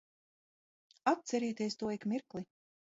Atcerieties to ik mirkli.